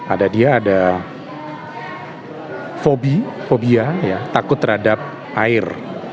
ada dia ada fobia takut terhadap air